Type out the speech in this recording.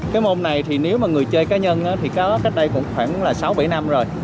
cái môn này thì nếu mà người chơi cá nhân thì có cách đây cũng khoảng là sáu bảy năm rồi